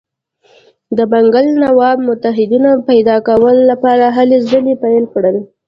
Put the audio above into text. د بنګال نواب متحدینو پیدا کولو لپاره هلې ځلې پیل کړې.